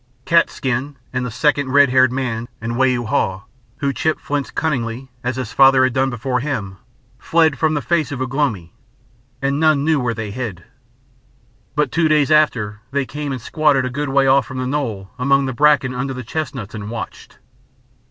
Cat's skin and the second red haired man and Wau Hau, who chipped flints cunningly, as his father had done before him, fled from the face of Ugh lomi, and none knew where they hid. But two days after they came and squatted a good way off from the knoll among the bracken under the chestnuts and watched.